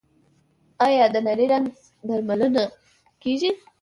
آیا د نري رنځ درملنه کیږي؟